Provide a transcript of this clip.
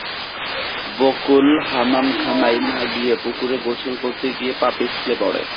বকুল হামামখানায় না গিয়ে পুকুরে গোসল করতে গিয়ে পা পিছলে পড়ে।